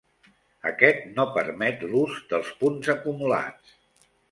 Aquest no permet l'ús dels punts acumulats.